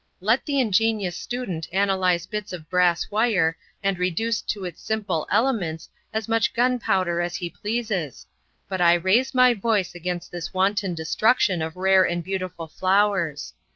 Let the ingenious student analyze bits of brass wire, and reduce to its simple elements as much gunpowder as he pleases, but I raise my voice against this wanton destruction of rare and beautiful flowers.